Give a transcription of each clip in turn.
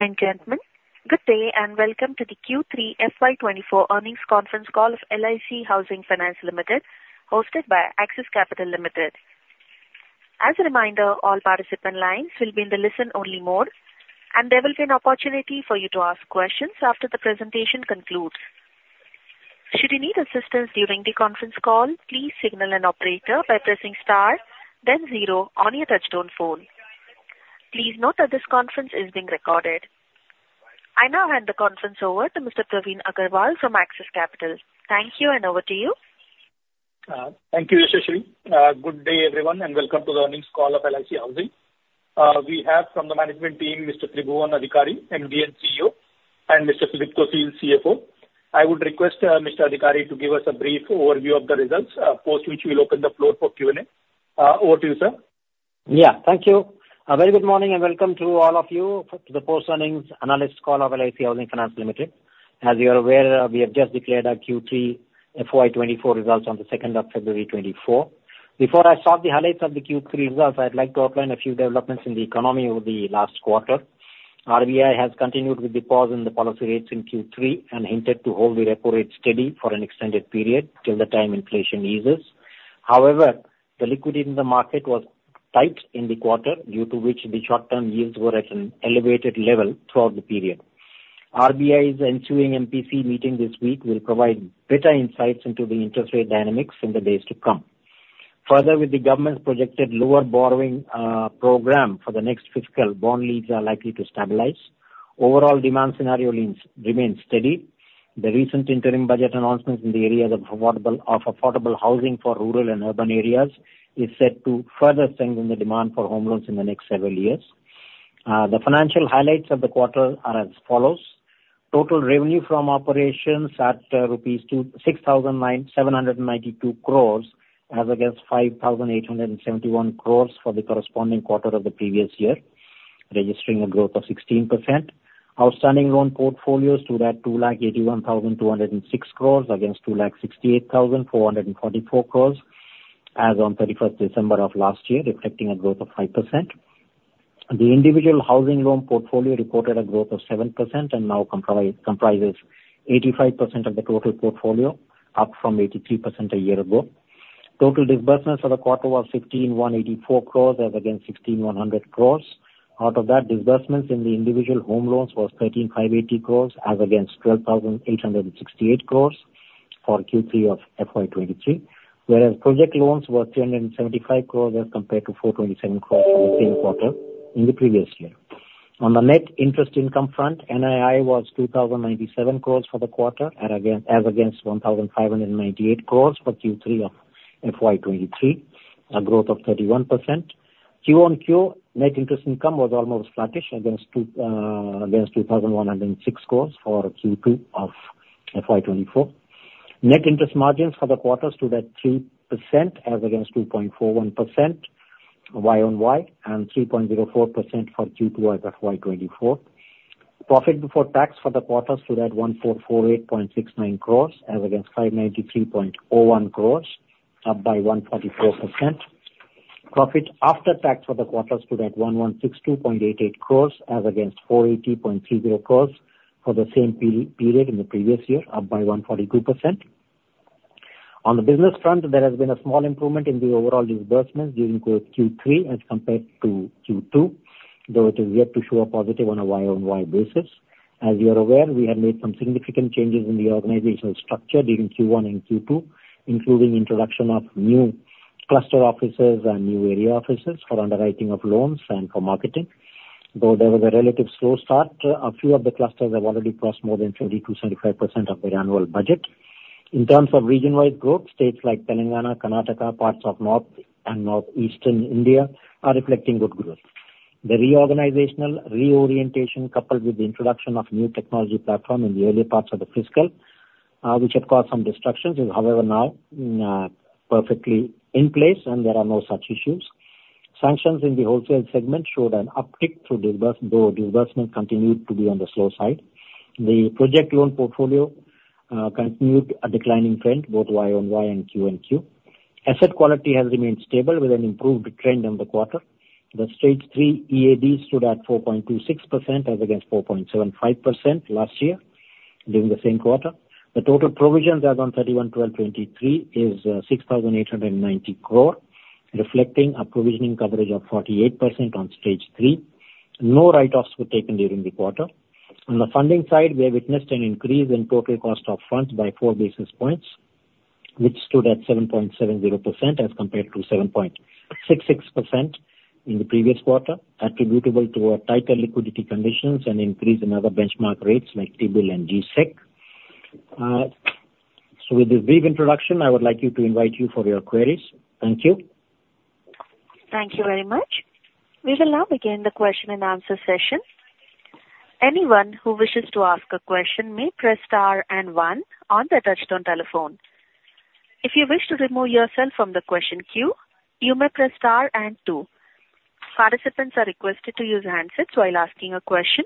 Ladies and gentlemen, good day and welcome to the Q3 FY 2024 earnings conference call of LIC Housing Finance Limited, hosted by Axis Capital Limited. As a reminder, all participant lines will be in the listen-only mode, and there will be an opportunity for you to ask questions after the presentation concludes. Should you need assistance during the conference call, please signal an operator by pressing star then zero on your touchtone phone. Please note that this conference is being recorded. I now hand the conference over to Mr. Praveen Agarwal from Axis Capital. Thank you, and over to you. Thank you, Yasashri. Good day, everyone, and welcome to the earnings call of LIC Housing. We have from the management team, Mr. Tribhuwan Adhikari, MD & CEO, and Mr. Sudipto il, CFO. I would request, Mr. Adhikari to give us a brief overview of the results, post which we'll open the floor for Q&A. Over to you, sir. Yeah. Thank you. A very good morning and welcome to all of you to the post-earnings analyst call of LIC Housing Finance Limited. As you are aware, we have just declared our Q3 FY 2024 results on the second of February, 2024. Before I start the highlights of the Q3 results, I'd like to outline a few developments in the economy over the last quarter. RBI has continued with the pause in the policy rates in Q3, and hinted to hold the repo rate steady for an extended period till the time inflation eases. However, the liquidity in the market was tight in the quarter, due to which the short-term yields were at an elevated level throughout the period. RBI's ensuing MPC meeting this week will provide better insights into the interest rate dynamics in the days to come. Further, with the government's projected lower borrowing program for the next fiscal, bond yields are likely to stabilize. Overall demand scenario remains steady. The recent interim budget announcements in the areas of affordable housing for rural and urban areas is set to further strengthen the demand for home loans in the next several years. The financial highlights of the quarter are as follows: Total revenue from operations at rupees 26,992 crore, as against 5,871 crore for the corresponding quarter of the previous year, registering a growth of 16%. Outstanding loan portfolios stood at 281,206 crore, against 268,444 crore as on thirty-first December of last year, reflecting a growth of 5%. The individual housing loan portfolio reported a growth of 7% and now comprises 85% of the total portfolio, up from 83% a year ago. Total disbursements for the quarter were 16,184 crore as against 1,600 crore. Out of that, disbursements in the individual home loans was 13,580 crore, as against 12,868 crore for Q3 of FY 2023. Whereas project loans were 375 crore, as compared to 427 crore in the same quarter in the previous year. On the net interest income front, NII was 2,097 crore for the quarter, and again, as against 1,598 crore for Q3 of FY 2023, a growth of 31%. Q-o-Q, net interest income was almost flattish against 2,106 crore for Q2 of FY 2024. Net interest margins for the quarter stood at 3%, as against 2.41% Y-o-Y, and 3.04% for Q2 of FY 2024. Profit before tax for the quarter stood at 1,448.69 crore as against 593.01 crore, up by 144%. Profit after tax for the quarter stood at 1,162.88 crore as against 480.30 crore for the same period in the previous year, up by 142%. On the business front, there has been a small improvement in the overall disbursements during Q3 as compared to Q2, though it is yet to show a positive on a Y-o-Y basis. As you are aware, we have made some significant changes in the organizational structure during Q1 and Q2, including introduction of new cluster offices and new area offices for underwriting of loans and for marketing. Though there was a relative slow start, a few of the clusters have already crossed more than 20%-75% of their annual budget. In terms of region-wide growth, states like Telangana, Karnataka, parts of North and North Eastern India are reflecting good growth. The reorganizational reorientation, coupled with the introduction of new technology platform in the early parts of the fiscal, which had caused some disruptions, is however, now, perfectly in place and there are no such issues. Sanctions in the wholesale segment showed an uptick through disbursement, though disbursement continued to be on the slow side. The project loan portfolio continued a declining trend, both Y-o-Y and Q-o-Q. Asset quality has remained stable with an improved trend in the quarter. The Stage 3 EAD stood at 4.26%, as against 4.75% last year during the same quarter. The total provisions as on 31/12/2023 is 6,890 crore, reflecting a provisioning coverage of 48% on Stage 3. No write-offs were taken during the quarter. On the funding side, we have witnessed an increase in total cost of funds by 4 basis points, which stood at 7.70% as compared to 7.66% in the previous quarter, attributable to a tighter liquidity conditions and increase in other benchmark rates like T-Bill and G-Sec. So with this brief introduction, I would like you to invite you for your queries. Thank you. Thank you very much. We will now begin the question and answer session. Anyone who wishes to ask a question may press star and one on their touchtone telephone. If you wish to remove yourself from the question queue, you may press star and two. Participants are requested to use handsets while asking a question.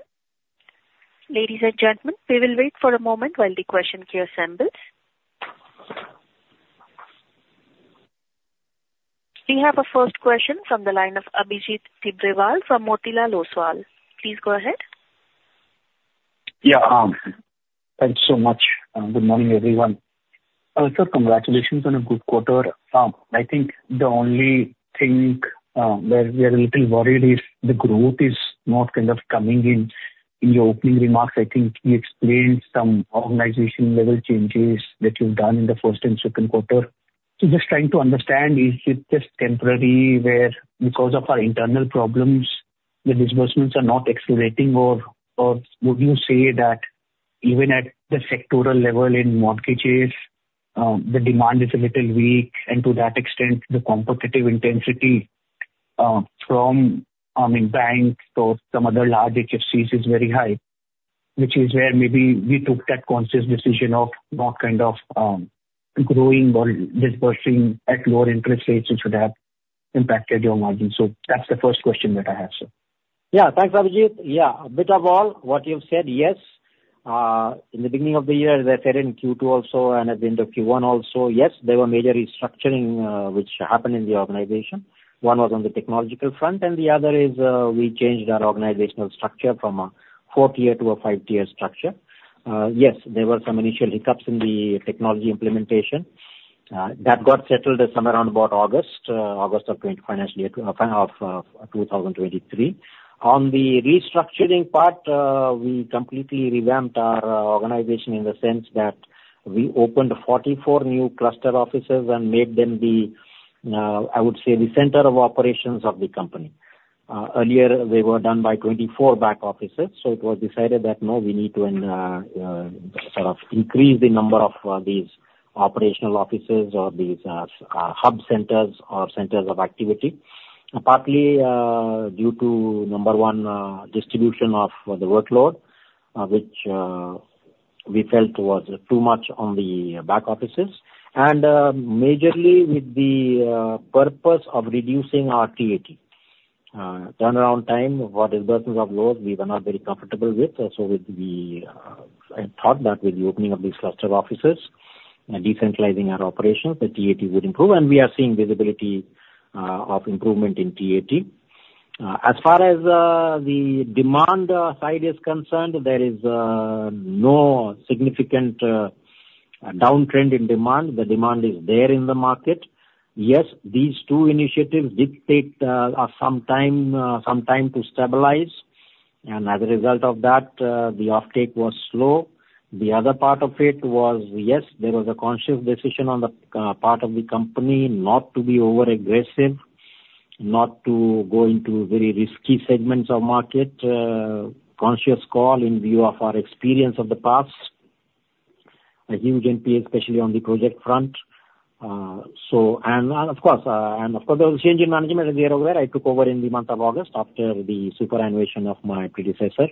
Ladies and gentlemen, we will wait for a moment while the question queue assembles... We have our first question from the line of Abhijit Tibrewal from Motilal Oswal. Please go ahead. Yeah, thanks so much. Good morning, everyone. Sir, congratulations on a good quarter. I think the only thing where we are a little worried is the growth is not kind of coming in. In your opening remarks, I think you explained some organization-level changes that you've done in the first and Q2. So just trying to understand, is it just temporary, where because of our internal problems, the disbursements are not accelerating, or would you say that even at the sectoral level in mortgages, the demand is a little weak, and to that extent, the competitive intensity from, I mean, banks or some other large HFCs is very high, which is where maybe we took that conscious decision of not kind of growing or disbursing at lower interest rates, which would have impacted your margin? That's the first question that I have, sir. Yeah. Thanks, Abhijit. Yeah, a bit of all what you've said, yes. In the beginning of the year, as I said, in Q2 also, and at the end of Q1 also, yes, there were major restructuring which happened in the organization. One was on the technological front, and the other is we changed our organizational structure from a four-tier to a five-tier structure. Yes, there were some initial hiccups in the technology implementation. That got settled somewhere around about August of 2023. On the restructuring part, we completely revamped our organization in the sense that we opened 44 new cluster offices and made them be, I would say, the center of operations of the company. Earlier, they were done by 24 back offices, so it was decided that, no, we need to sort of increase the number of these operational offices or these hub centers or centers of activity. Partly due to, number one, distribution of the workload, which we felt was too much on the back offices, and majorly with the purpose of reducing our TAT. Turnaround time for disbursements of loans we were not very comfortable with, so I thought that with the opening of these cluster offices and decentralizing our operations, the TAT would improve, and we are seeing visibility of improvement in TAT. As far as the demand side is concerned, there is no significant downtrend in demand. The demand is there in the market. Yes, these two initiatives did take some time to stabilize, and as a result of that, the uptake was slow. The other part of it was, yes, there was a conscious decision on the part of the company not to be overaggressive, not to go into very risky segments of market. Conscious call in view of our experience of the past, a huge NPA, especially on the project front. So, and of course, there was a change in management there, where I took over in the month of August after the superannuation of my predecessor.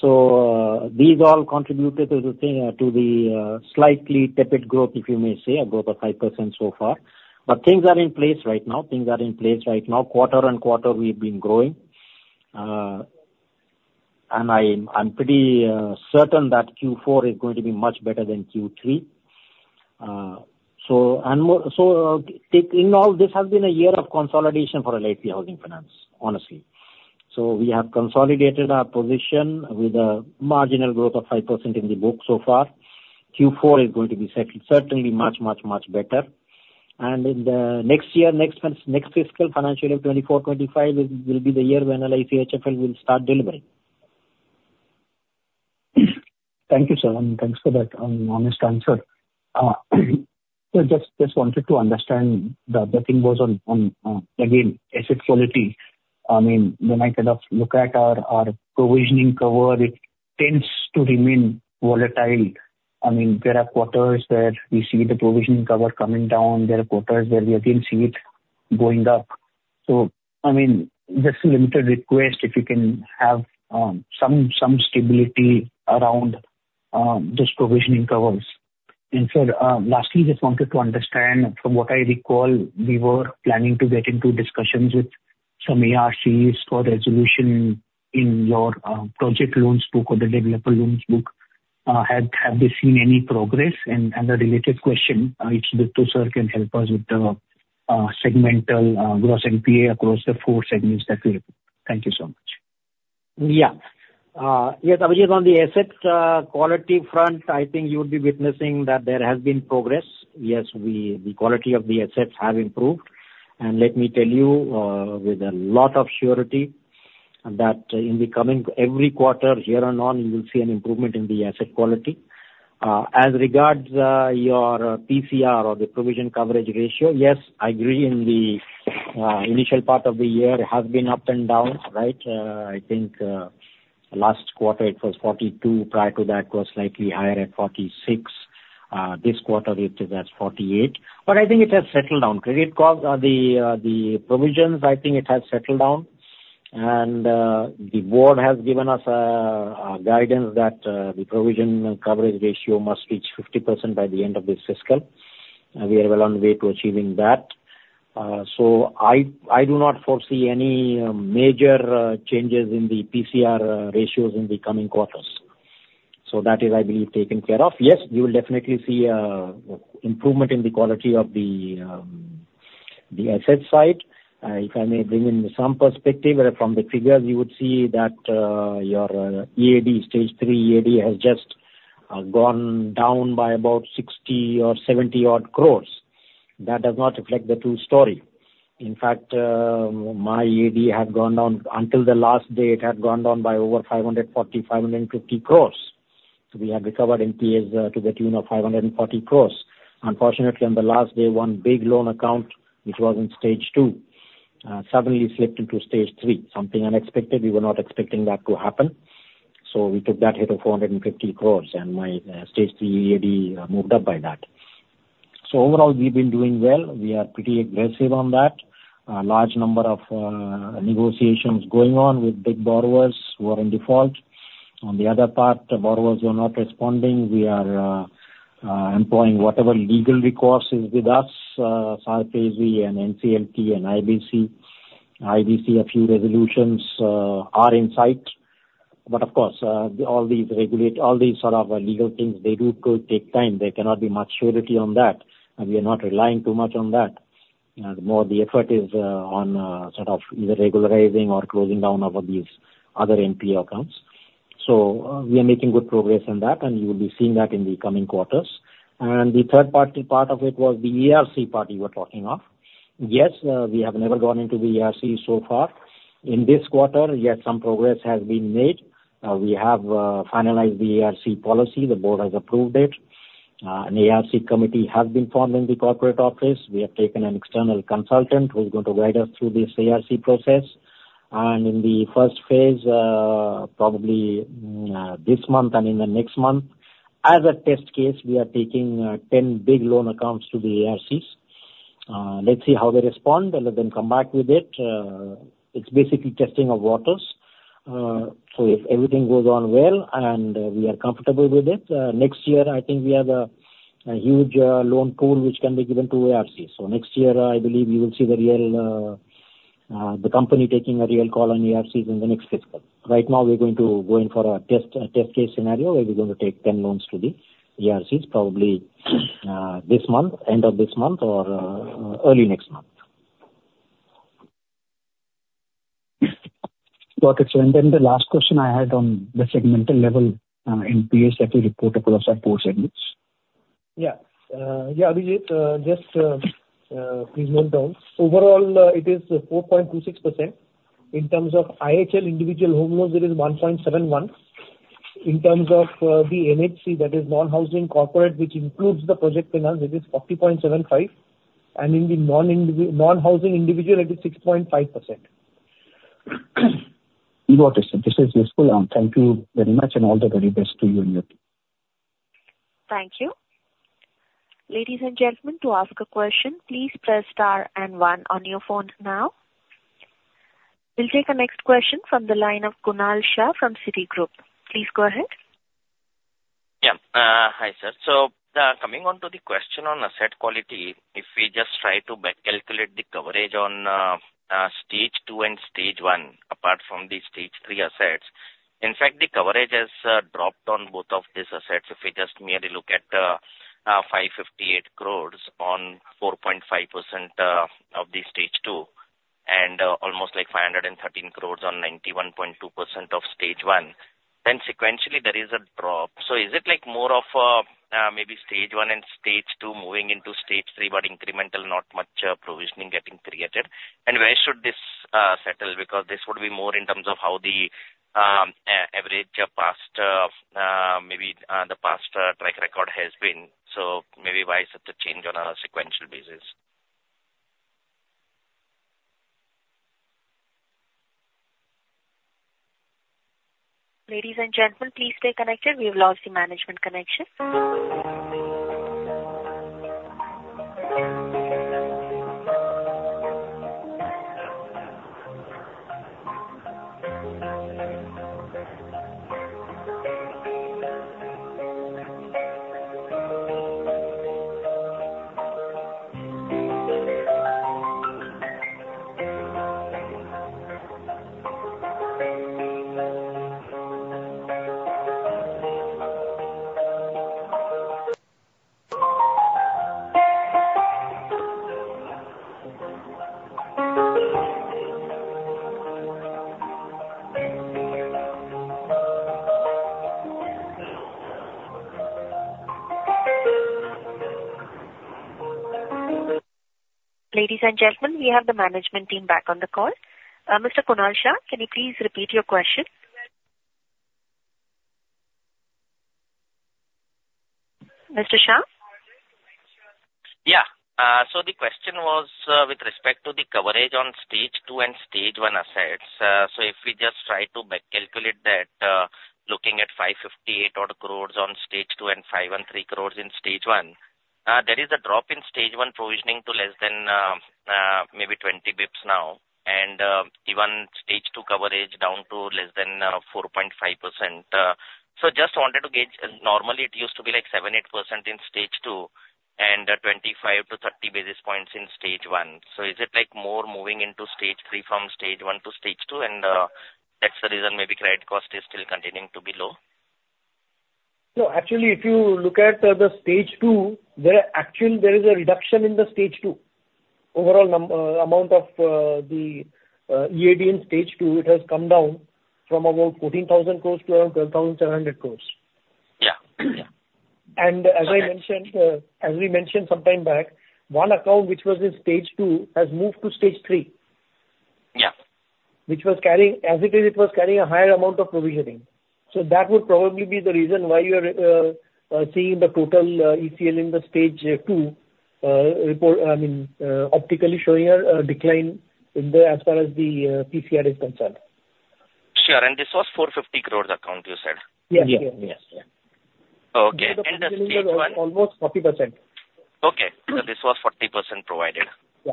So, these all contributed to the thing, to the slightly tepid growth, if you may say, a growth of 5% so far. But things are in place right now. Things are in place right now. Quarter-on-quarter, we've been growing, and I'm pretty certain that Q4 is going to be much better than Q3. So and more so, taking all this, this has been a year of consolidation for LIC Housing Finance, honestly. So we have consolidated our position with a marginal growth of 5% in the books so far. Q4 is going to be certainly much, much, much better. And in the next year, next months, next fiscal financial year, 2024, 2025, it will be the year when LIC HFL will start delivering. Thank you, sir, and thanks for that honest answer. So just wanted to understand the other thing was on again, asset quality. I mean, when I kind of look at our provision coverage, it tends to remain volatile. I mean, there are quarters where we see the provision coverage coming down, there are quarters where we again see it going up. So, I mean, just a limited request, if you can have some stability around those provision coverages. And sir, lastly, just wanted to understand, from what I recall, we were planning to get into discussions with some ARCs for resolution in your project loans book or the developer loans book. Have we seen any progress? A related question, if Sudipto sir can help us with the segmental gross NPA across the four segments that we report? Thank you so much. Yeah. Yes, Abhijit, on the assets quality front, I think you would be witnessing that there has been progress. Yes, the quality of the assets have improved. And let me tell you, with a lot of surety, that in the coming every quarter here on, you will see an improvement in the asset quality. As regards your PCR or the provision coverage ratio, yes, I agree in the initial part of the year, it has been up and down, right? I think last quarter it was 42. Prior to that, it was slightly higher at 46. This quarter, it is at 48. But I think it has settled down. Credit cost, the provisions, I think it has settled down, and the board has given us a guidance that the provision coverage ratio must reach 50% by the end of this fiscal. We are well on the way to achieving that. So I do not foresee any major changes in the PCR ratios in the coming quarters.... So that is, I believe, taken care of. Yes, you will definitely see improvement in the quality of the asset side. If I may bring in some perspective, from the figures you would see that your EAD, stage three EAD, has just gone down by about 60-70 crore. That does not reflect the true story. In fact, my EAD had gone down, until the last day, it had gone down by over 540-550 crores. So we have recovered NPAs to the tune of 540 crores. Unfortunately, on the last day, one big loan account, which was in stage 2, suddenly slipped into stage 3. Something unexpected, we were not expecting that to happen. So we took that hit of 450 crores, and my stage 3 EAD moved up by that. So overall, we've been doing well. We are pretty aggressive on that. A large number of negotiations going on with big borrowers who are in default. On the other part, the borrowers who are not responding, we are employing whatever legal recourse is with us, SARFAESI and NCLT and IBC. IBC, a few resolutions, are in sight, but of course, all these sort of legal things, they do take time. There cannot be much surety on that, and we are not relying too much on that. The more the effort is, on, sort of either regularizing or closing down of these other NPA accounts. So, we are making good progress on that, and you will be seeing that in the coming quarters. And the third party part of it was the ARC party you were talking of. Yes, we have never gone into the ARC so far. In this quarter, yes, some progress has been made. We have finalized the ARC policy. The board has approved it. An ARC committee has been formed in the corporate office. We have taken an external consultant who is going to guide us through this ARC process. In the Phase I, probably, this month and in the next month, as a test case, we are taking 10 big loan accounts to the ARCs. Let's see how they respond and then come back with it. It's basically testing of waters. If everything goes on well, and we are comfortable with it, next year, I think we have a huge loan pool which can be given to ARCs. So next year, I believe you will see the real, the company taking a real call on ARCs in the next fiscal. Right now, we're going to go in for a test, a test case scenario, where we're going to take 10 loans to the ARCs, probably, this month, end of this month or early next month. Got it, sir. The last question I had on the segmental level, NPA that you reported across our core segments. Yeah. Yeah, Abhijit, just, please note down. Overall, it is 4.26%. In terms of IHL, individual home loans, it is 1.71. In terms of the NHC, that is non-housing corporate, which includes the project finance, it is 40.75, and in the non-housing individual, it is 6.5%. Got it, sir. This is useful. Thank you very much, and all the very best to you and your team. Thank you. Ladies and gentlemen, to ask a question, please press star and one on your phone now. We'll take our next question from the line of Kunal Shah from Citigroup. Please go ahead. Yeah. Hi, sir. So, coming on to the question on asset quality, if we just try to back calculate the coverage on stage two and stage one, apart from the stage three assets, in fact, the coverage has dropped on both of these assets. If we just merely look at 558 crore on 4.5% of the stage two, and almost like 513 crore on 91.2% of stage one, then sequentially there is a drop. So is it like more of maybe stage one and stage two moving into stage three, but incremental, not much provisioning getting created? And where should this settle? Because this would be more in terms of how the average past track record has been. So maybe why is it a change on a sequential basis? Ladies and gentlemen, please stay connected. We have lost the management connection. Ladies and gentlemen, we have the management team back on the call. Mr. Kunal Shah, can you please repeat your question? Mr. Shah? Yeah. So the question was, with respect to the coverage on stage two and stage one assets. So if we just try to back calculate that, looking at 558 odd crore on stage two and 53 crore in stage one, there is a drop in stage one provisioning to less than maybe 20 basis points now, and even stage two coverage down to less than 4.5%. So just wanted to gauge. Normally, it used to be like 7-8% in stage two, and 25-30 basis points in stage one. So is it like more moving into stage three from stage one to stage two, and that's the reason maybe credit cost is still continuing to be low? No, actually, if you look at the stage two, there is a reduction in the stage two. Overall amount of the EAD in stage two, it has come down from about 14,000 crore to around 12,700 crore. Yeah. As I mentioned, as we mentioned some time back, one account which was in stage two has moved to stage three. Yeah. Which was carrying, as it is, it was carrying a higher amount of provisioning. So that would probably be the reason why you are seeing the total ECL in the stage two report, I mean, optically showing a decline in there as far as the PCR is concerned. Sure, and this was 450 crore account, you said? Yes. Yeah, yes. Okay, and the stage one? Almost 40%. Okay. Mm. So this was 40% provided? Yeah.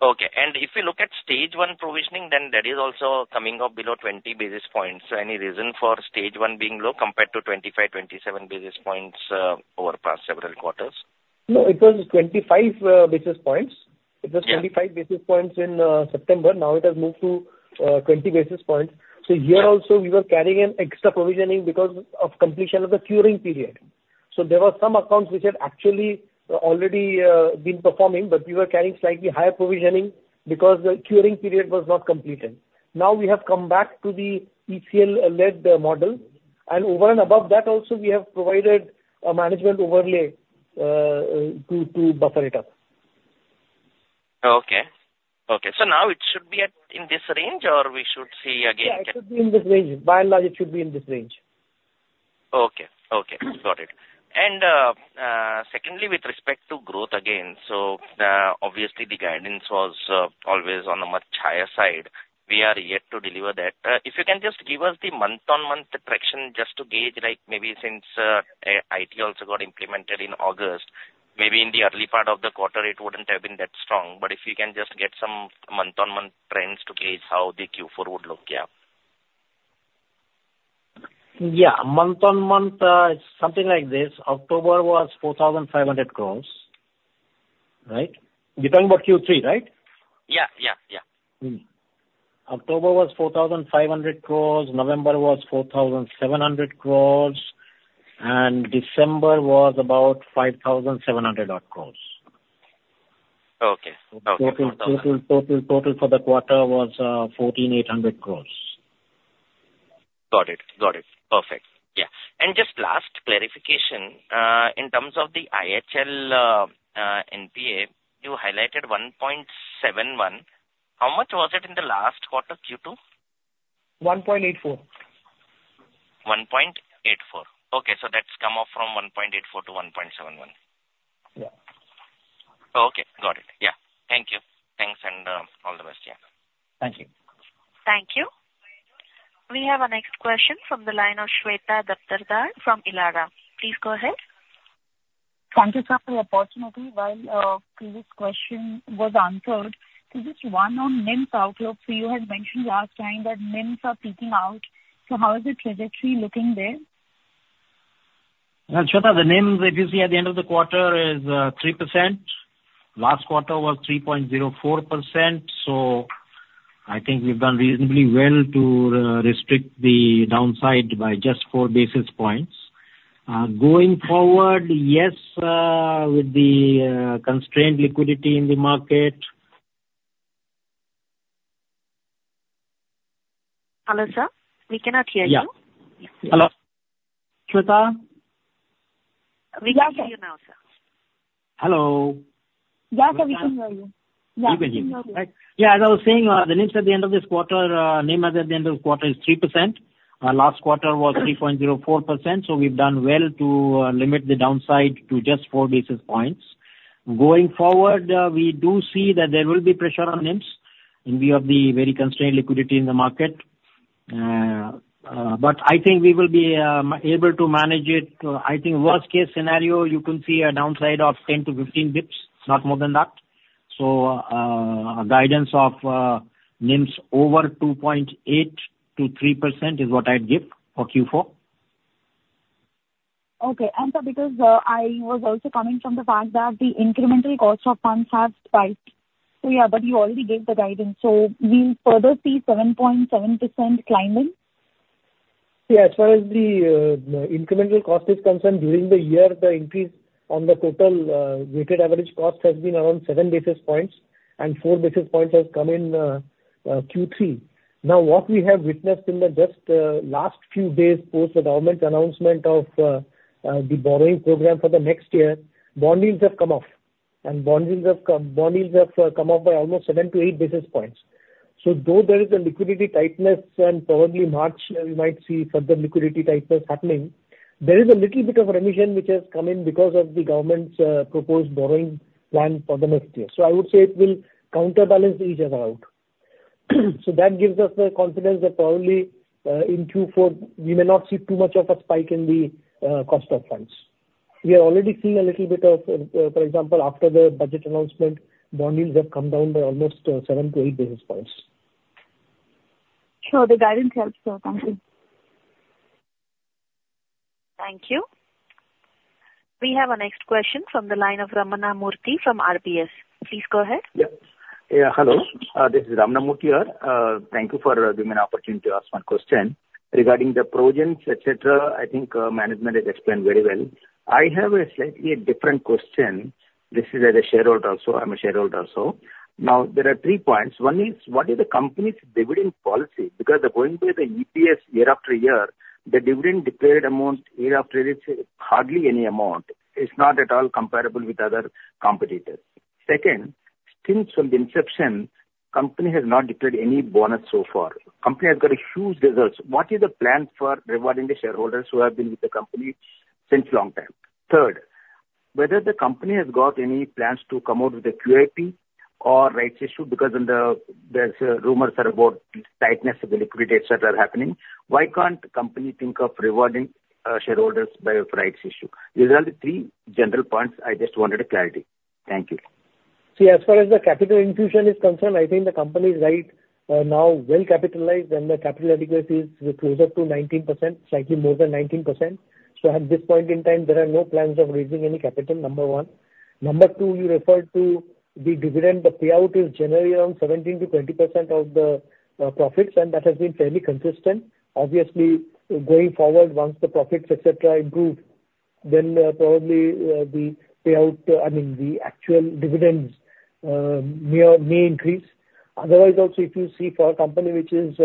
Okay, and if you look at stage one provisioning, then that is also coming up below 20 basis points. So any reason for stage one being low compared to 25, 27 basis points over the past several quarters? No, it was 25 basis points. Yeah. It was 25 basis points in September. Now it has moved to 20 basis points. So here also, we were carrying an extra provisioning because of completion of the curing period. So there were some accounts which had actually already been performing, but we were carrying slightly higher provisioning because the curing period was not completed. Now we have come back to the ECL-led model, and over and above that also, we have provided a management overlay to buffer it up. Okay. Okay, so now it should be at, in this range, or we should see again- Yeah, it should be in this range. By and large, it should be in this range. Okay. Okay. Mm. Got it. And, secondly, with respect to growth again, so, obviously the guidance was always on a much higher side. We are yet to deliver that. If you can just give us the month-on-month traction, just to gauge, like maybe since IT also got implemented in August, maybe in the early part of the quarter, it wouldn't have been that strong. But if you can just get some month-on-month trends to gauge how the Q4 would look. Yeah. Yeah. Month-on-month, it's something like this: October was 4,500 crore, right? You're talking about Q3, right? Yeah, yeah, yeah. October was 4,500 crore, November was 4,700 crore, and December was about 5,700 crore odd. Okay. Total for the quarter was 1,480 crores. Got it. Got it. Perfect. Yeah. And just last clarification, in terms of the IHL, NPA, you highlighted 1.71. How much was it in the last quarter, Q2? 1.84. 1.84. Okay, so that's come up from 1.84 to 1.71. Yeah. Okay, got it. Yeah. Thank you. Thanks, and all the best. Yeah. Thank you. Thank you. We have our next question from the line of Shweta Daptardar from Elara. Please go ahead. Thank you, sir, for the opportunity. While previous question was answered, just one on NIMs outlook. So you had mentioned last time that NIMs are peaking out, so how is the trajectory looking there? Shweta, the NIMs that you see at the end of the quarter is 3%. Last quarter was 3.04%, so I think we've done reasonably well to restrict the downside by just four basis points. Going forward, yes, with the constrained liquidity in the market... Hello, sir? We cannot hear you. Yeah. Hello, Shweta? We can hear you now, sir. Hello. Yeah, we can hear you. You can hear me, right? Yeah, as I was saying, the NIMs at the end of this quarter, NIM as at the end of the quarter is 3%. Last quarter was 3.04%, so we've done well to limit the downside to just four basis points. Going forward, we do see that there will be pressure on NIMs in view of the very constrained liquidity in the market. But I think we will be able to manage it. I think worst case scenario, you can see a downside of 10-15 basis points, not more than that. So, a guidance of NIMs over 2.8%-3% is what I'd give for Q4. Okay. And, sir, because I was also coming from the fact that the incremental cost of funds has spiked. So yeah, but you already gave the guidance, so we'll further see 7.7% climbing? Yeah, as far as the, incremental cost is concerned, during the year, the increase on the total, weighted average cost has been around 7 basis points, and 4 basis points has come in, Q3. Now, what we have witnessed in the just, last few days post the government's announcement of, the borrowing program for the next year, bond yields have come off, and bond yields have come, bond yields have, come up by almost 7-8 basis points. So though there is a liquidity tightness, and probably March, we might see further liquidity tightness happening, there is a little bit of remission which has come in because of the government's, proposed borrowing plan for the next year. So I would say it will counterbalance each other out. So that gives us the confidence that probably, in Q4, we may not see too much of a spike in the cost of funds. We are already seeing a little bit of, for example, after the budget announcement, bond yields have come down by almost 7-8 basis points.... Sure, the guidance helps the company. Thank you. We have our next question from the line of Ramanathan Murthy from RBS. Please go ahead. Yeah. Yeah, hello. This is Ramanathan Murthy here. Thank you for giving me an opportunity to ask one question. Regarding the projects, etc., I think, management has explained very well. I have a slightly different question. This is as a shareholder also, I'm a shareholder also. Now, there are three points. One is, what is the company's dividend policy? Because according to the EPS year after year, the dividend declared amount year after is hardly any amount. It's not at all comparable with other competitors. Second, since from the inception, company has not declared any bonus so far. Company has got a huge results. What is the plan for rewarding the shareholders who have been with the company since long time? Third, whether the company has got any plans to come out with a QIP or rights issue, because in the, there's, rumors are about tightness of the liquidity et cetera are happening. Why can't the company think of rewarding, shareholders by a rights issue? These are the three general points, I just wanted a clarity. Thank you. See, as far as the capital infusion is concerned, I think the company is right, now well capitalized, and the capital adequacy is closer to 19%, slightly more than 19%. So at this point in time, there are no plans of raising any capital, number one. Number two, you referred to the dividend. The payout is generally around 17%-20% of the profits, and that has been fairly consistent. Obviously, going forward, once the profits, et cetera, improve, then, probably, the payout, I mean, the actual dividends, may or may increase. Otherwise, also, if you see for a company which is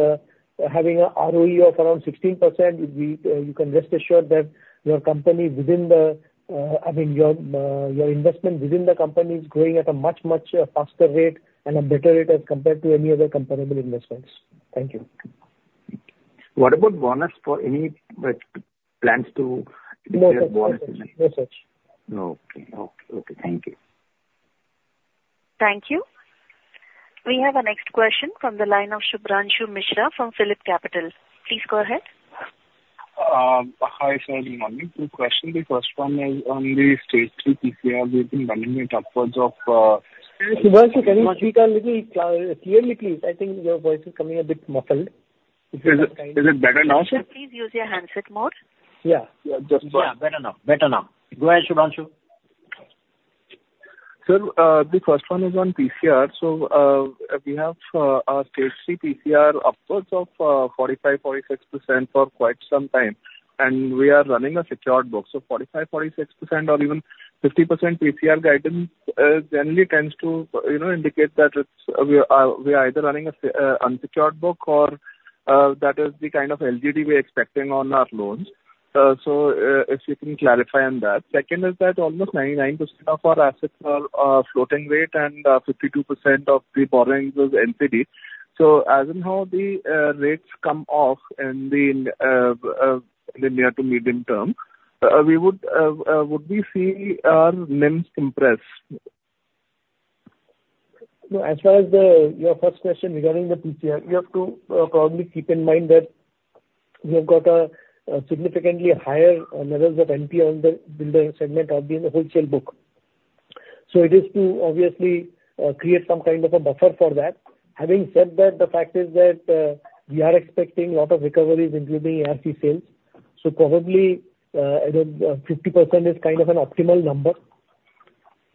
having a ROE of around 16%, we, you can rest assured that your company within the, I mean, your, your investment within the company is growing at a much, much faster rate and a better rate as compared to any other comparable investments. Thank you. What about bonus for any plans to declare bonus? No such. Okay. Okay. Okay, thank you. Thank you. We have our next question from the line of Shubhranshu Mishra from Philip Capital. Please go ahead. Hi, sir, good morning. Two questions, the first one is on the Stage upwards of. Shubhranshu, can you speak a little clearly, please? I think your voice is coming a bit muffled. Is it better now, sir? Sir, please use your handset mode. Yeah. Yeah, just- Yeah, better now. Better now. Go ahead, Shubhranshu. Sir, the first one is on PCR. So, we have our Stage 3 PCR upwards of 45-46% for quite some time, and we are running a secured book. So 45-46% or even 50% PCR guidance generally tends to, you know, indicate that we are either running an unsecured book or that is the kind of LGD we are expecting on our loans. So, if you can clarify on that. Second is that almost 99% of our assets are floating rate and 52% of the borrowings was NCD. So as and how the rates come off in the near to medium term, would we see our NIMs compress? No, as far as the your first question regarding the PCR, you have to probably keep in mind that we have got a significantly higher levels of NP in the segment of the wholesale book. So it is to obviously create some kind of a buffer for that. Having said that, the fact is that we are expecting a lot of recoveries, including ARC sales. So probably 50% is kind of an optimal number.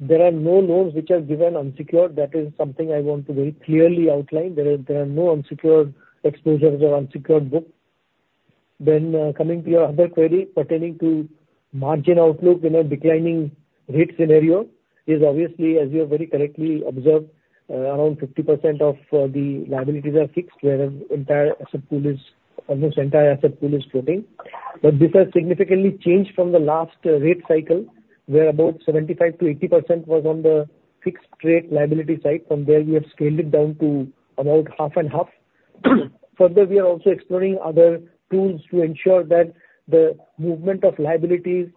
There are no loans which are given unsecured. That is something I want to very clearly outline. There is, there are no unsecured exposures or unsecured book. Coming to your other query pertaining to margin outlook in a declining rate scenario, is obviously, as you have very correctly observed, around 50% of the liabilities are fixed, whereas the almost entire asset pool is floating. But this has significantly changed from the last rate cycle, where about 75%-80% was on the fixed rate liability side. From there, we have scaled it down to about half and half. Further, we are also exploring other tools to ensure that the movement of liabilities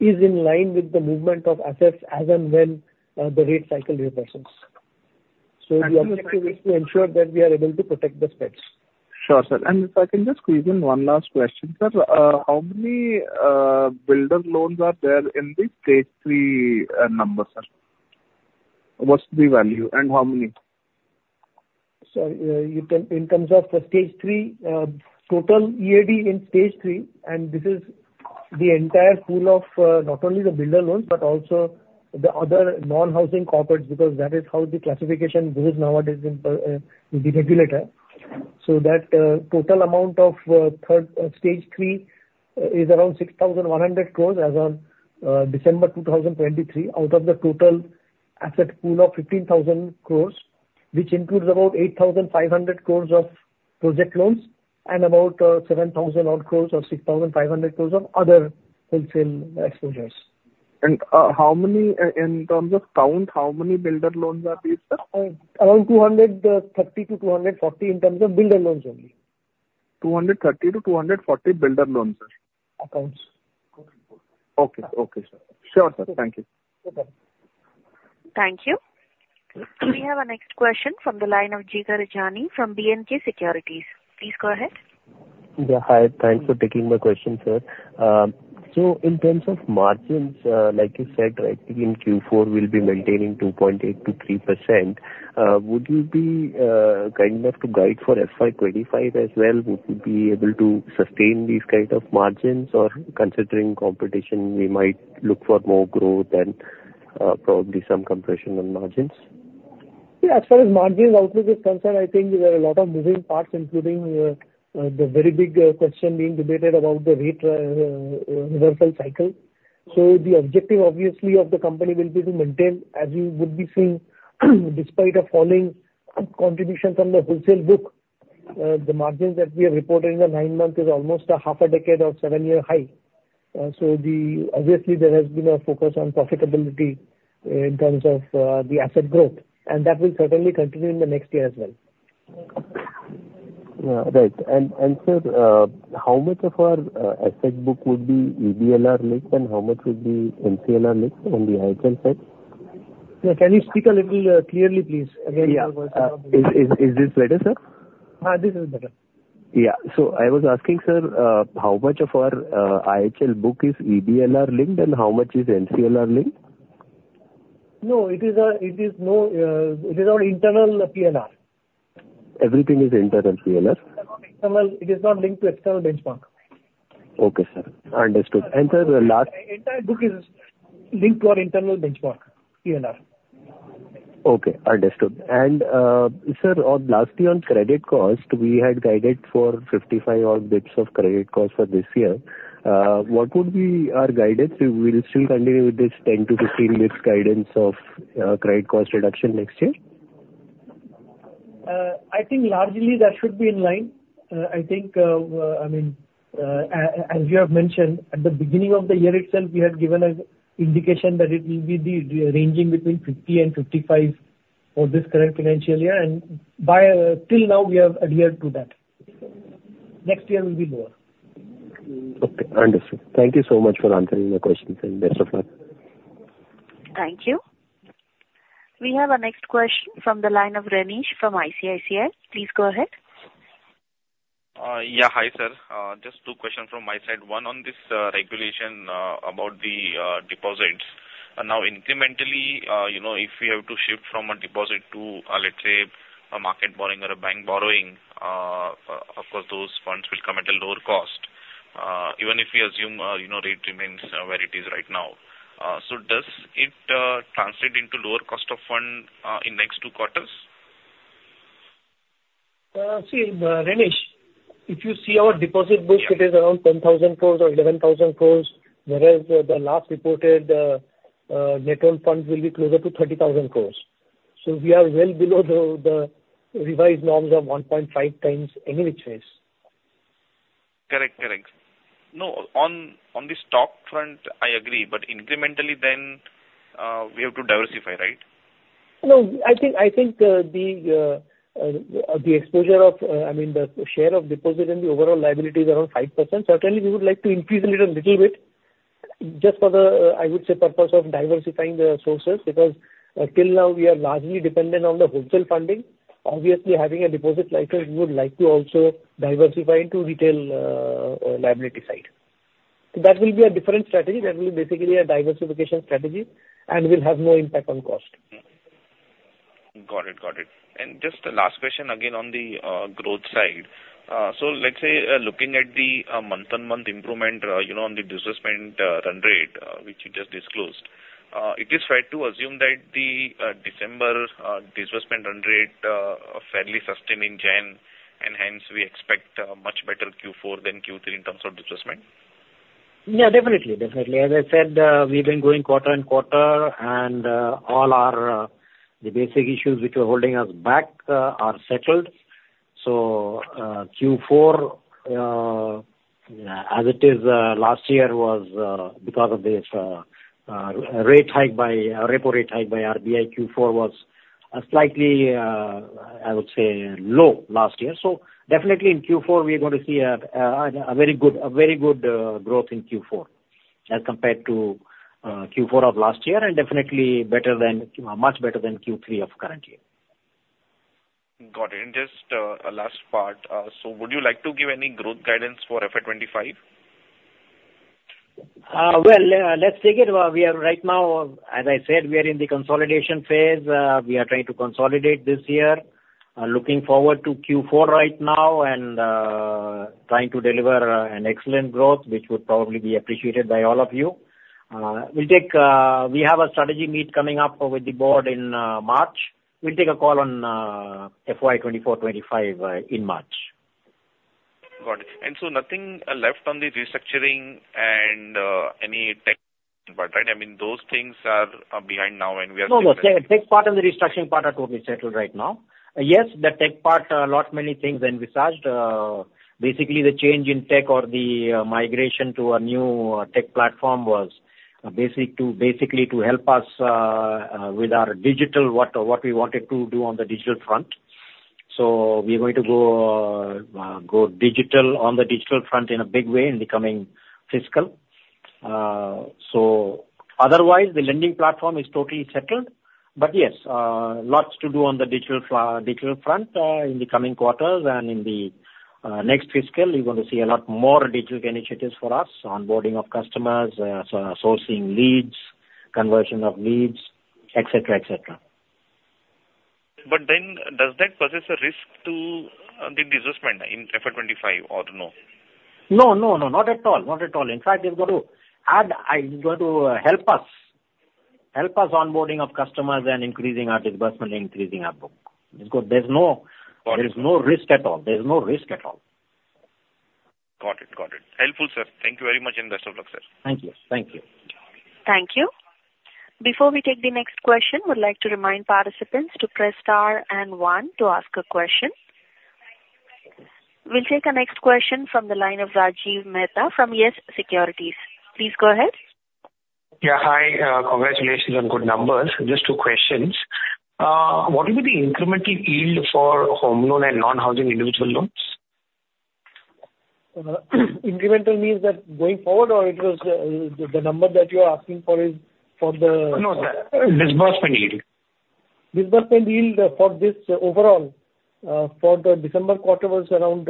is in line with the movement of assets as and when the rate cycle reverses. So we obviously need to ensure that we are able to protect the spreads. Sure, sir. And if I can just squeeze in one last question, sir. How many builder loans are there in the Stage 3 number, sir? What's the value and how many? So, you can, in terms of the Stage three, total EAD in Stage three, and this is the entire pool of, not only the builder loans, but also the other non-housing corporates, because that is how the classification goes nowadays in, with the regulator. So that, total amount of, third, Stage three, is around 6,100 crores as on, December 2023, out of the total asset pool of 15,000 crores, which includes about 8,500 crores of project loans and about, seven thousand odd crores or 6,500 crores of other wholesale exposures. In terms of count, how many builder loans are these, sir? Around 230-240 in terms of builder loans only. 230-240 builder loans, sir? Accounts. Okay. Okay, sir. Sure, sir. Thank you. Sure, sir. Thank you. We have our next question from the line of Jigar Jani from BNK Securities. Please go ahead.... Yeah, hi. Thanks for taking my question, sir. So in terms of margins, like you said, right, in Q4, we'll be maintaining 2.8%-3%. Would you be kind enough to guide for FY2025 as well? Would you be able to sustain these kind of margins? Or considering competition, we might look for more growth and probably some compression on margins? Yeah, as far as margins are concerned, I think there are a lot of moving parts, including, the very big question being debated about the rate reversal cycle. So the objective, obviously, of the company will be to maintain, as you would be seeing, despite a falling contribution from the wholesale book, the margins that we have reported in the nine months is almost a half a decade or seven-year high. So obviously, there has been a focus on profitability in terms of, the asset growth, and that will certainly continue in the next year as well. Yeah. Right. And, sir, how much of our asset book would be EBLR linked, and how much would be MCLR linked on the IHL side? Yeah. Can you speak a little clearly, please? Again, your voice is- Yeah. Is this better, sir? This is better. Yeah. So I was asking, sir, how much of our IHL book is EBLR linked and how much is MCLR linked? No, it is our internal PNR. Everything is internal PNR? It is not external, it is not linked to external benchmark. Okay, sir. Understood. And, sir, the last- Entire book is linked to our internal benchmark, PLR. Okay, understood. And, sir, on, lastly, on credit cost, we had guided for 55 odd bits of credit cost for this year. What would be our guidance? We will still continue with this 10-15 bits guidance of, credit cost reduction next year? I think largely that should be in line. I think, I mean, as you have mentioned, at the beginning of the year itself, we had given an indication that it will be, ranging between 50 and 55 for this current financial year, and till now, we have adhered to that. Next year will be more. Okay, understood. Thank you so much for answering my questions, and best of luck. Thank you. We have our next question from the line of Renish from ICICI. Please go ahead. Yeah. Hi, sir. Just two questions from my side. One on this regulation about the deposits. Now, incrementally, you know, if we have to shift from a deposit to, let's say, a market borrowing or a bank borrowing, of course, those funds will come at a lower cost, even if we assume, you know, rate remains where it is right now. So does it translate into lower cost of fund in next Q2? See, Renish, if you see our deposit book, it is around 10,000 crore or 11,000 crore, whereas the last reported net owned funds will be closer to 30,000 crore. So we are well below the revised norms of 1.5 times anyway choice. Correct. Correct. No, on, on the stock front, I agree, but incrementally, then, we have to diversify, right? No, I think the exposure of, I mean, the share of deposit and the overall liability is around 5%. Certainly, we would like to increase a little bit just for the purpose of diversifying the sources, because till now, we are largely dependent on the wholesale funding. Obviously, having a deposit license, we would like to also diversify into retail liability side. That will be a different strategy. That will be basically a diversification strategy and will have no impact on cost. Got it. Got it. And just the last question again on the growth side. So let's say, looking at the month-on-month improvement, you know, on the disbursement run rate, which you just disclosed, it is fair to assume that the December disbursement run rate fairly sustained in January, and hence we expect much better Q4 than Q3 in terms of disbursement? Yeah, definitely, definitely. As I said, we've been growing quarter-and-quarter, and all our the basic issues which were holding us back are settled. So, Q4, as it is, last year was because of this rate hike by repo rate hike by RBI, Q4 was a slightly I would say low last year. So definitely in Q4, we're going to see a a very good, a very good growth in Q4 as compared to Q4 of last year, and definitely better than, much better than Q3 of current year. Got it. And just, last part. So would you like to give any growth guidance for FY 2025? Well, let's take it. We are right now, as I said, we are in the consolidation phase. We are trying to consolidate this year. Looking forward to Q4 right now and, trying to deliver, an excellent growth, which would probably be appreciated by all of you. We'll take... We have a strategy meet coming up with the board in, March. We'll take a call on, FY 2024, 2025, in March. Got it. And so nothing left on the restructuring and any tech part, right? I mean, those things are behind now and we are- No, no. Tech part and the restructuring part are totally settled right now. Yes, the tech part, a lot, many things envisaged. Basically, the change in tech or the migration to a new tech platform was basically to help us with our digital, what we wanted to do on the digital front. So we are going to go digital on the digital front in a big way in the coming fiscal.... so otherwise, the lending platform is totally settled. But yes, lots to do on the digital front, in the coming quarters, and in the next fiscal, you're going to see a lot more digital initiatives for us onboarding of customers, so sourcing leads, conversion of leads, et cetera, et cetera. But then does that possess a risk to the disbursement in FY 2025 or no? No, no, no, not at all. Not at all. In fact, it's going to add, it's going to help us, help us onboarding of customers and increasing our disbursement and increasing our book. Because there's no- Got it. There is no risk at all. There is no risk at all. Got it. Got it. Helpful, sir. Thank you very much, and best of luck, sir. Thank you. Thank you. Thank you. Before we take the next question, we'd like to remind participants to press Star and One to ask a question. We'll take our next question from the line of Rajiv Mehta from Yes Securities. Please go ahead. Yeah, hi, congratulations on good numbers. Just two questions. What will be the incremental yield for home loan and non-housing individual loans? incremental means that going forward, or it was, the number that you are asking for is for the- No, the disbursement yield. Disbursement yield for this overall, for the December quarter was around,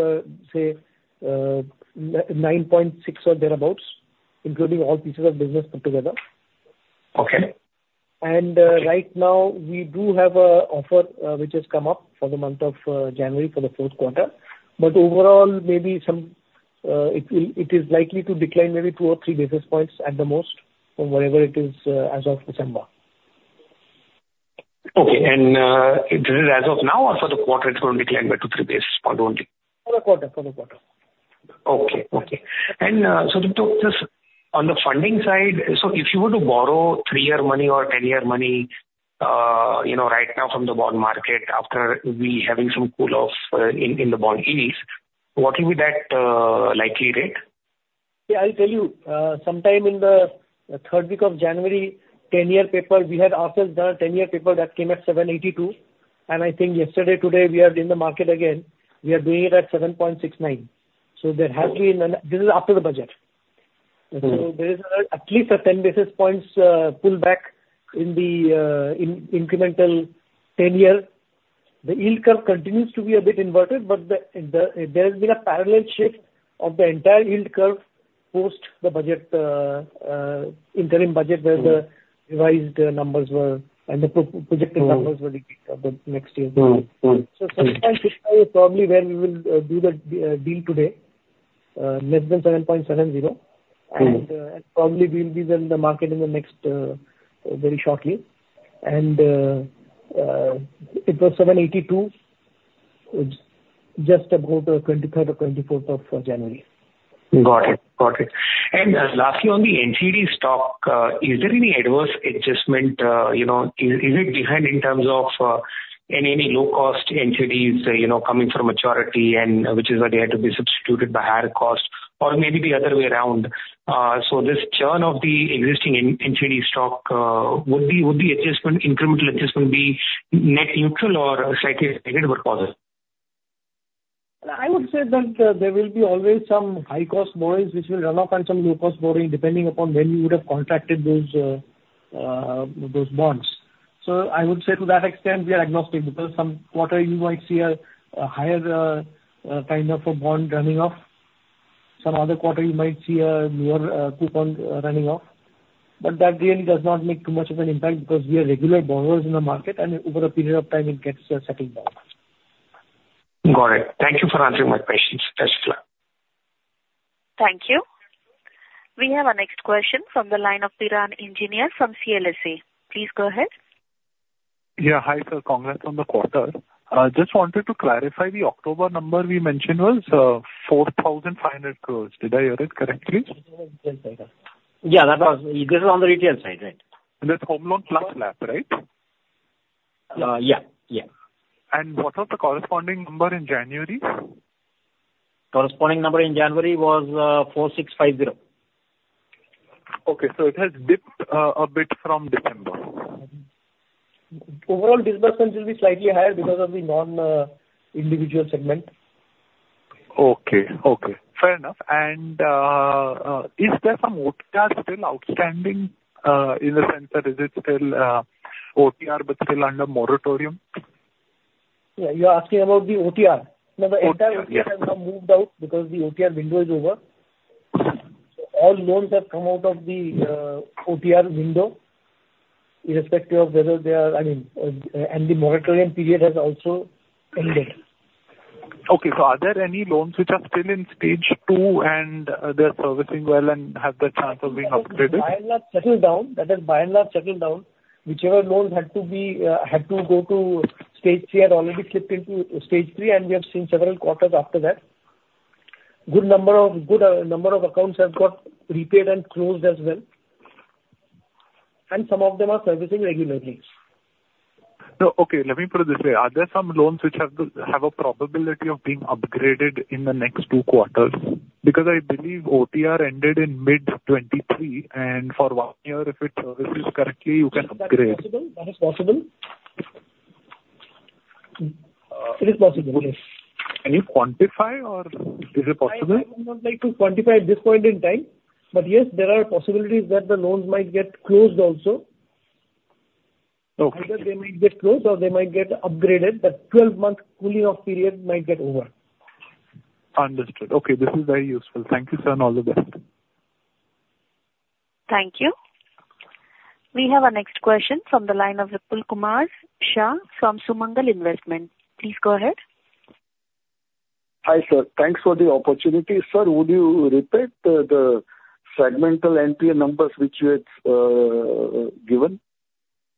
say, 9.6 or thereabouts, including all pieces of business put together. Okay. Right now, we do have a offer, which has come up for the month of January for the Q4. But overall, maybe some, it will - it is likely to decline maybe two or three basis points at the most from wherever it is, as of December. Okay. It is as of now or for the quarter, it's going to decline by 2-3 basis points only? For the quarter, for the quarter. Okay. Okay. Just on the funding side, so if you were to borrow 3-year money or 10-year money, you know, right now from the bond market after we having some cool off in the bond yields, what will be that likely rate? Yeah, I'll tell you, sometime in the third week of January, 10-year paper, we had ourselves done a 10-year paper that came at 7.82, and I think yesterday, today, we are in the market again. We are doing it at 7.69. So there has been an... This is after the budget. Mm-hmm. There is at least a 10 basis points pullback in the incremental 10-year. The yield curve continues to be a bit inverted, but there's been a parallel shift of the entire yield curve post the budget, interim budget, where the- Mm-hmm. revised numbers were, and the projected numbers Mm-hmm. were decreased for the next year. Mm-hmm. Mm. So sometime probably where we will do the deal today, less than 7.70. Mm-hmm. Probably we'll be in the market in the next very shortly. It was 782, just about the 23rd or 24th of January. Got it. Got it. And, lastly, on the NCD stock, is there any adverse adjustment, you know, is it behind in terms of, any low-cost NCDs, you know, coming from maturity and which is why they had to be substituted by higher cost or maybe the other way around? So this churn of the existing NCD stock, would the adjustment, incremental adjustment, be net neutral or slightly negative or positive? I would say that, there will be always some high-cost borrowings, which will run off on some low-cost borrowing, depending upon when you would have contracted those, those bonds. So I would say to that extent, we are agnostic, because some quarter you might see a, a higher, kind of a bond running off. Some other quarter you might see a lower, coupon, running off. But that really does not make too much of an impact because we are regular borrowers in the market, and over a period of time, it gets, settled down. Got it. Thank you for answering my questions. That's clear. Thank you. We have our next question from the line of Piran Engineer from CLSA. Please go ahead. Yeah. Hi, sir. Congrats on the quarter. Just wanted to clarify, the October number we mentioned was 4,500 crore. Did I hear it correctly? Yeah, that was... This is on the retail side, right? That's home loan plus LAP, right? Yeah, yeah. What was the corresponding number in January? Corresponding number in January was 4650. Okay, so it has dipped a bit from December. Overall, disbursements will be slightly higher because of the non-individual segment. Okay. Okay, fair enough. And, is there some OTR still outstanding, in the sense that is it still OTR, but still under moratorium? Yeah, you are asking about the OTR? OTR. No, the entire OTR has now moved out because the OTR window is over. All loans have come out of the OTR window, irrespective of whether they are... I mean, and the moratorium period has also ended. Okay. So are there any loans which are still in stage two, and they're servicing well and have the chance of being upgraded? By and large, settled down. That is by and large, settled down. Whichever loans had to be had to go to stage three are already slipped into stage three, and we have seen several quarters after that. Good number of good number of accounts have got repaid and closed as well. And some of them are servicing regularly. No, okay, let me put it this way. Are there some loans which have a probability of being upgraded in the next Q2? Because I believe OTR ended in mid-2023, and for one year, if it services correctly, you can upgrade. That is possible. That is possible.... It is possible, yes. Can you quantify or is it possible? I would not like to quantify at this point in time, but yes, there are possibilities that the loans might get closed also. Okay. Either they might get closed or they might get upgraded, that 12-month cooling-off period might get over. Understood. Okay, this is very useful. Thank you, sir, and all the best. Thank you. We have our next question from the line of Vipul Kumar Shah from Sumangal Investment. Please go ahead. Hi, sir. Thanks for the opportunity. Sir, would you repeat the segmental NPA numbers which you had given?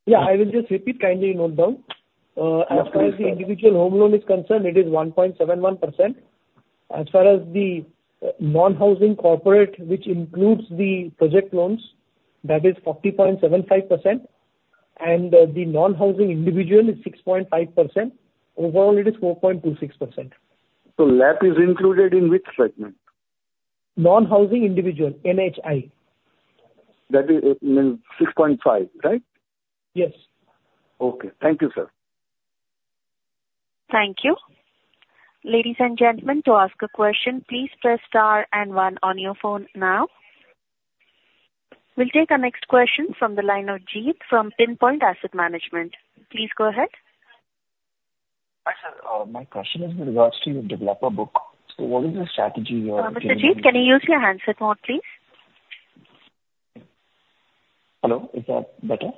Yeah, I will just repeat. Kindly note down. As far as the individual home loan is concerned, it is 1.71%. As far as the non-housing corporate, which includes the project loans, that is 40.75%, and the non-housing individual is 6.5%. Overall, it is 4.26%. LAP is included in which segment? Non-housing individual, NHI. That is, means 6.5, right? Yes. Okay. Thank you, sir. Thank you. Ladies and gentlemen, to ask a question, please press star and one on your phone now. We'll take our next question from the line of Jeet from Pinpoint Asset Management. Please go ahead. Hi, sir. My question is with regards to your developer book. So what is your strategy your- Mr. Jeet, can you use your handset mode, please? Hello, is that better?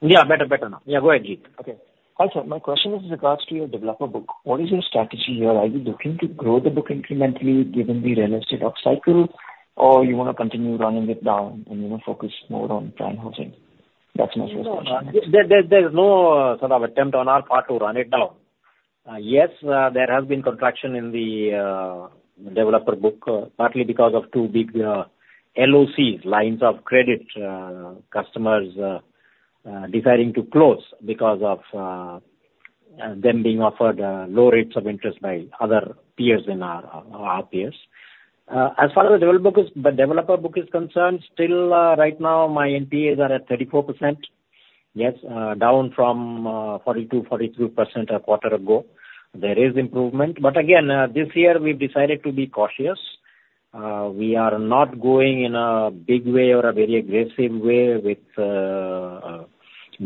Yeah, better, better now. Yeah, go ahead, Jeet. Okay. Hi, sir, my question is with regards to your developer book. What is your strategy here? Are you looking to grow the book incrementally given the real estate up cycle, or you want to continue running it down and, you know, focus more on prime housing? That's my first question. There is no sort of attempt on our part to run it down. Yes, there has been contraction in the developer book, partly because of two big LOCs, lines of credit, customers deciding to close because of them being offered low rates of interest by other peers in our peers. As far as the developer book is concerned, still, right now, my NPAs are at 34%. Yes, down from 42-43% a quarter ago. There is improvement, but again, this year we've decided to be cautious. We are not going in a big way or a very aggressive way with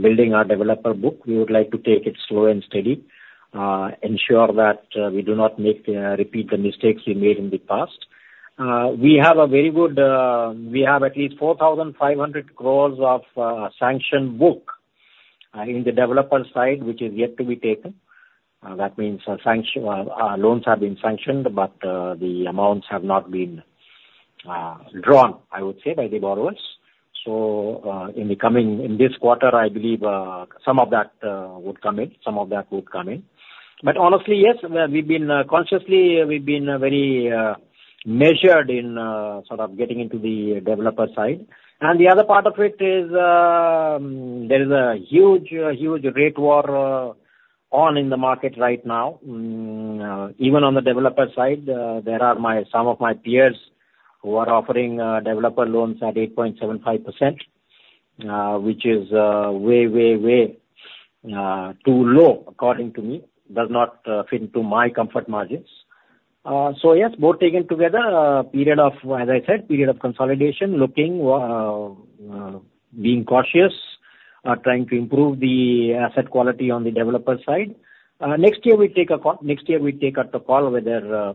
building our developer book. We would like to take it slow and steady, ensure that we do not repeat the mistakes we made in the past. We have at least 4,500 crores of sanction book in the developer side, which is yet to be taken. That means loans have been sanctioned, but the amounts have not been drawn, I would say, by the borrowers. So, in the coming... In this quarter, I believe, some of that would come in, some of that would come in. But honestly, yes, we've been consciously very measured in sort of getting into the developer side. And the other part of it is, there is a huge, huge rate war on in the market right now. Even on the developer side, there are my, some of my peers who are offering developer loans at 8.75%, which is way, way, way too low, according to me. Does not fit into my comfort margins. So yes, both taken together, period of, as I said, period of consolidation, looking, being cautious, trying to improve the asset quality on the developer side. Next year we take a call, next year we take up the call whether...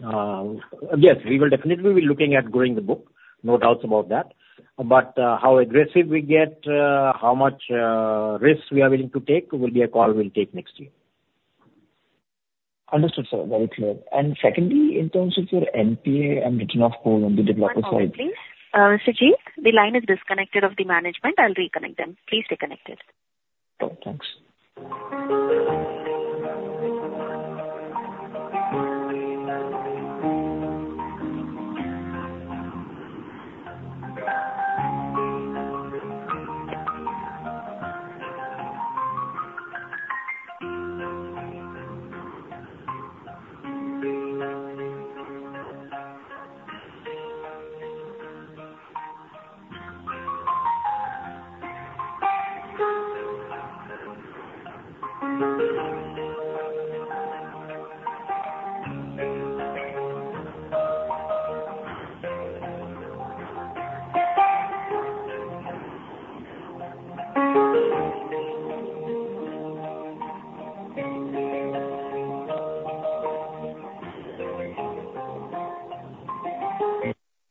Yes, we will definitely be looking at growing the book. No doubts about that. But, how aggressive we get, how much risk we are willing to take will be a call we'll take next year. Understood, sir. Very clear. Secondly, in terms of your NPA and written-off pool on the developer side- One moment, please. Mr. Jeet, the line is disconnected of the management. I'll reconnect them. Please stay connected. Oh, thanks.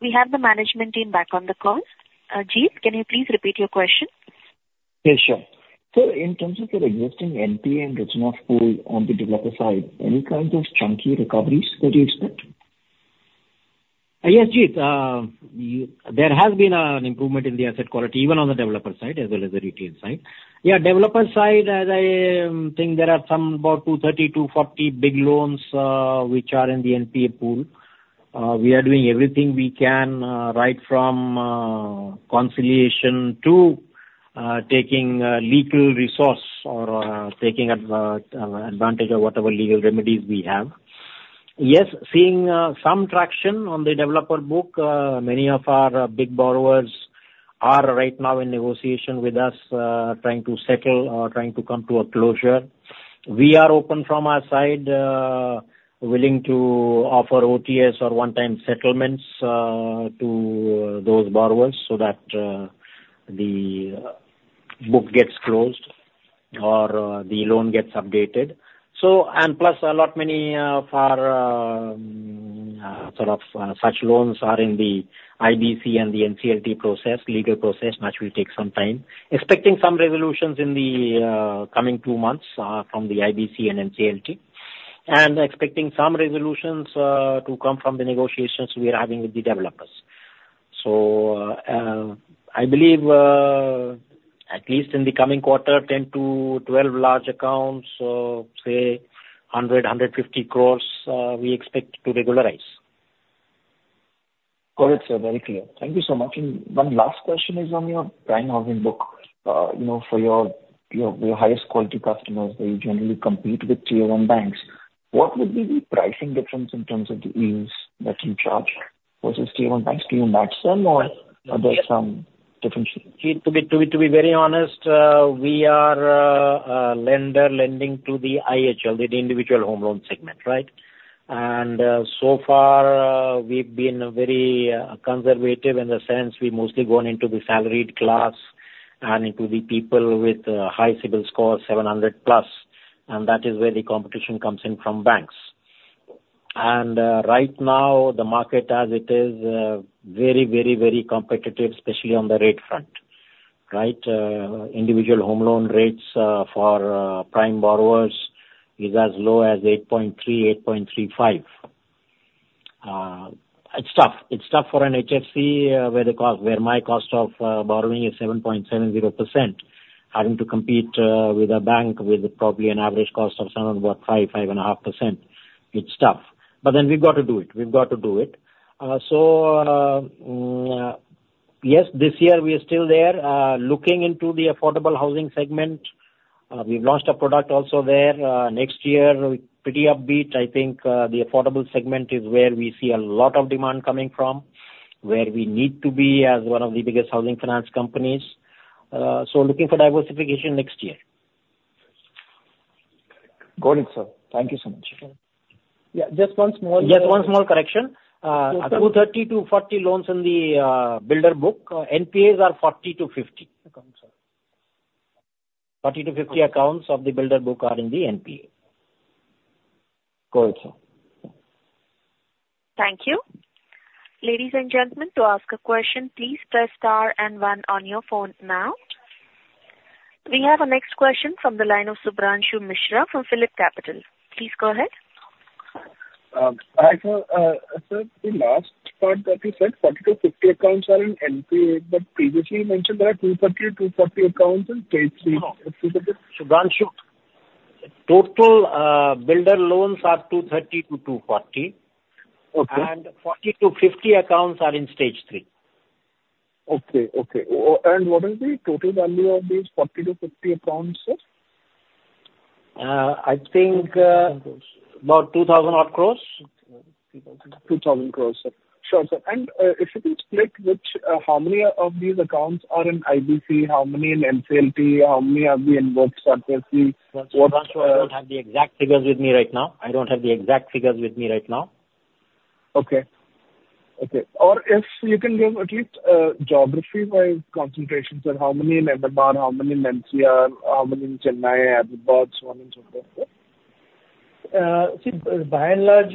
We have the management team back on the call. Jeet, can you please repeat your question? Yeah, sure. So in terms of your existing NPA and written-off pool on the developer side, any kind of chunky recoveries that you expect? Yes, Jeet, there has been an improvement in the asset quality, even on the developer side, as well as the retail side. Yeah, developer side, as I think there are some about 2, 30-40 big loans, which are in the NPA pool. We are doing everything we can, right from conciliation to taking legal recourse or taking advantage of whatever legal remedies we have. Yes, seeing some traction on the developer book. Many of our big borrowers are right now in negotiation with us, trying to settle or trying to come to a closure. We are open from our side, willing to offer OTS or one-time settlements to those borrowers so that the book gets closed or the loan gets updated. Plus a lot, many for sort of such loans are in the IBC and the NCLT process, legal process, which will take some time. Expecting some resolutions in the coming two months from the IBC and NCLT, and expecting some resolutions to come from the negotiations we are having with the developers. So, I believe at least in the coming quarter, 10-12 large accounts, say 100 crore-150 crore, we expect to regularize. Got it, sir. Very clear. Thank you so much. One last question is on your prime housing book. You know, for your, your highest quality customers, they generally compete with Tier One banks. What would be the pricing difference in terms of the yields that you charge versus Tier One banks? Do you match them or are there some differences? To be very honest, we are a lender lending to the IHL, the individual home loan segment, right? So far, we've been very conservative in the sense we've mostly gone into the salaried class, and it will be people with high CIBIL score, 700+, and that is where the competition comes in from banks. Right now, the market as it is very, very, very competitive, especially on the rate front, right? Individual home loan rates for prime borrowers is as low as 8.3, 8.35. It's tough. It's tough for an HFC, where the cost, where my cost of borrowing is 7.70%. Having to compete with a bank with probably an average cost of somewhere about 5-5.5%, it's tough. But then we've got to do it. We've got to do it. So, yes, this year we are still there looking into the affordable housing segment. We've launched a product also there. Next year, we pretty upbeat. I think the affordable segment is where we see a lot of demand coming from, where we need to be as one of the biggest housing finance companies. So looking for diversification next year. Got it, sir. Thank you so much. Yeah, just one small- Just one small correction. 230-40 loans in the builder book. NPAs are 40-50 accounts. 40-50 accounts of the builder book are in the NPA. Got it, sir. Thank you. Ladies and gentlemen, to ask a question, please press star and one on your phone now. We have our next question from the line of Shubhranshu Mishra from Philip Capital. Please go ahead. Hi, sir. Sir, the last part that you said, 40-50 accounts are in NPA, but previously you mentioned there are 230-240 accounts in stage three. No, Shubhranshu, total, builder loans are 230-240. Okay. 40-50 accounts are in stage three. Okay, okay. What is the total value of these 40-50 accounts, sir? I think, about 2,000 odd crore. 2,000 crore. Sure, sir. If you could split which, how many of these accounts are in IBC, how many in NCLT, how many are being worked out as we- Shubhranshu, I don't have the exact figures with me right now. Okay. Okay. Or if you can give at least geography by concentrations and how many in Ahmedabad, how many in NCR, how many in Chennai, Hyderabad, so on and so forth? See, by and large,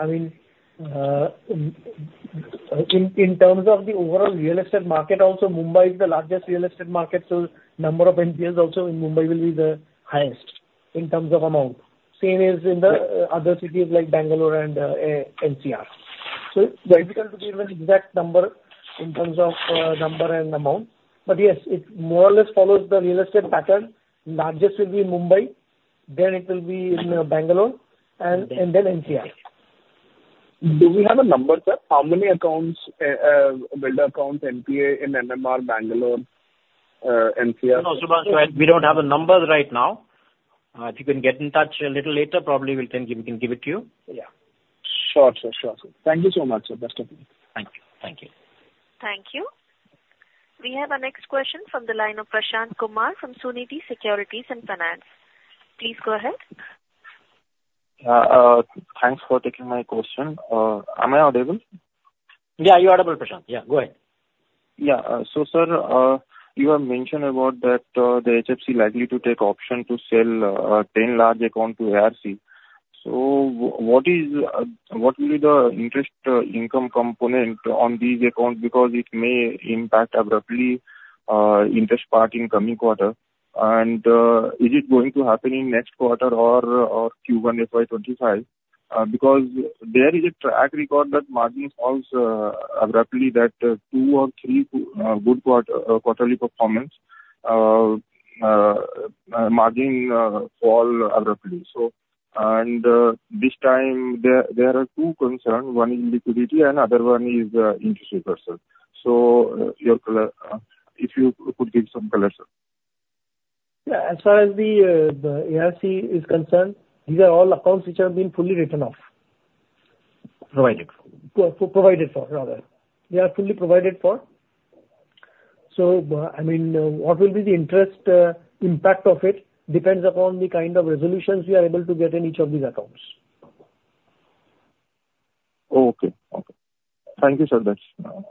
I mean, in, in terms of the overall real estate market, also, Mumbai is the largest real estate market, so number of NPAs also in Mumbai will be the highest in terms of amount. Same as in the other cities like Bangalore and NCR. So it will be difficult to give an exact number in terms of number and amount. But yes, it more or less follows the real estate pattern. Largest will be in Mumbai, then it will be in Bangalore and, and then NCR. Do we have a number, sir? How many accounts, builder accounts, NPA in MMR, Bangalore, NCR? No, no, Shubhranshu, we don't have the numbers right now. If you can get in touch a little later, probably we'll then give, we can give it to you. Yeah. Sure, sure, sure. Thank you so much, sir. Best of luck. Thank you. Thank you. Thank you. We have our next question from the line of Prashant Kumar from Sunidhi Securities and Finance. Please go ahead. Thanks for taking my question. Am I audible? Yeah, you're audible, Prashant. Yeah, go ahead. Yeah. So, sir, you have mentioned about that, the HFC likely to take option to sell, 10 large accounts to ARC. So what is, what will be the interest, income component on these accounts? Because it may impact abruptly, interest part in coming quarter. And, is it going to happen in next quarter or, or Q1 FY 2025? Because there is a track record that margin falls, abruptly, that, two or three, good quarterly performance, margin, fall abruptly. So, and, this time there, there are two concerns: one is liquidity and other one is, interest reversal. So your color, if you could give some color, sir.... Yeah, as far as the ARC is concerned, these are all accounts which have been fully written off. Provided for. Provided for, rather. They are fully provided for. So, I mean, what will be the interest impact of it? Depends upon the kind of resolutions we are able to get in each of these accounts. Oh, okay. Okay. Thank you, Sandesh.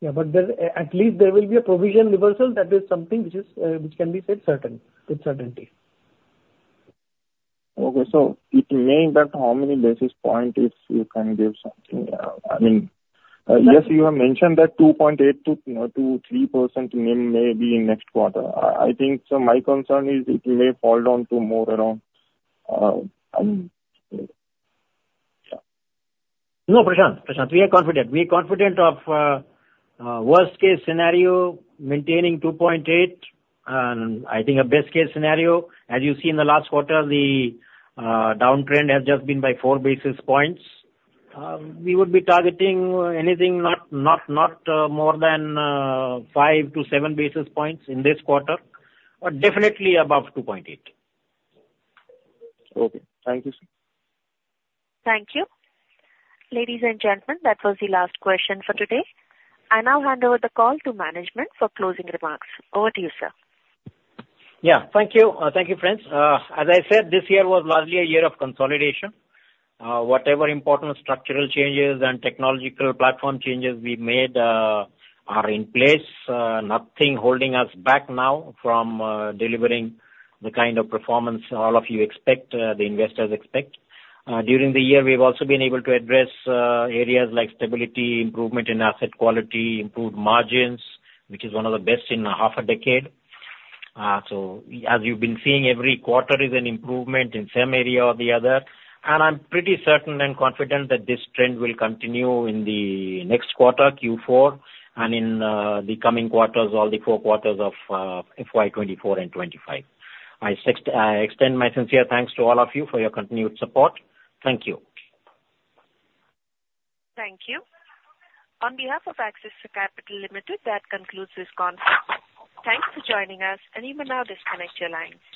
Yeah, but there, at least there will be a provision reversal. That is something which is, which can be said certain, with certainty. Okay. So it may, but how many basis points if you can give something, I mean- Yes. Yes, you have mentioned that 2.8%-3% may be in next quarter. I think so my concern is it may fall down to more around. No, Prashant, Prashant, we are confident. We are confident of worst case scenario, maintaining 2.8, and I think a best case scenario, as you see in the last quarter, the downtrend has just been by 4 basis points. We would be targeting anything, not, not, not more than 5-7 basis points in this quarter, but definitely above 2.8. Okay. Thank you, sir. Thank you. Ladies and gentlemen, that was the last question for today. I now hand over the call to management for closing remarks. Over to you, sir. Yeah, thank you. Thank you, friends. As I said, this year was largely a year of consolidation. Whatever important structural changes and technological platform changes we made are in place. Nothing holding us back now from delivering the kind of performance all of you expect, the investors expect. During the year, we've also been able to address areas like stability, improvement in asset quality, improved margins, which is one of the best in half a decade. So as you've been seeing, every quarter is an improvement in same area or the other, and I'm pretty certain and confident that this trend will continue in the next quarter, Q4, and in the coming quarters, all the Q4 of FY 2024 and 2025. I extend my sincere thanks to all of you for your continued support. Thank you. Thank you. On behalf of Axis Capital Limited, that concludes this conference. Thanks for joining us, and you may now disconnect your lines.